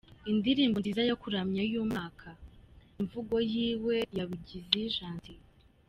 Indirimbo nziza yo kuramya y’Umwaka: Imvugo yiwe ya Bigizi Gentil.